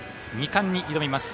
２冠に挑みます。